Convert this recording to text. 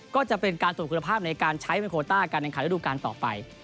ก็จะเป็นการตรวจคุณภาพในการใช้เป็นโคต้าการแข่งขันระดูการต่อไป